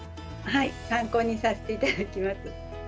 はい参考にさせて頂きます。